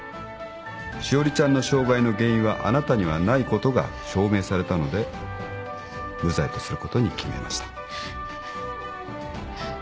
詩織ちゃんの傷害の原因はあなたにはないことが証明されたので無罪とすることに決めました。